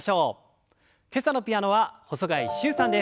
今朝のピアノは細貝柊さんです。